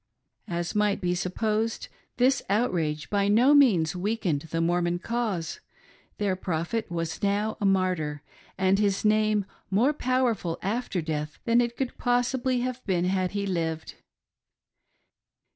As might be supposed this outrage by no means weakened the Mormon cause — their :f rophet was now a martyr, and his name more powerful after death than it could possibly have been had he lived.